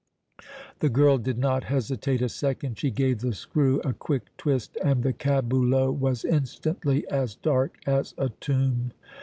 The girl did not hesitate a second; she gave the screw a quick twist and the caboulot was instantly as dark as a tomb.